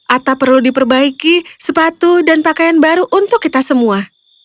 atap perlu diperbaiki sepatu dan pakaian baru untuk kita semua